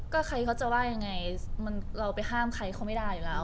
ก็ใครเขาจะว่ายังไงเราไปห้ามใครเขาไม่ได้อยู่แล้ว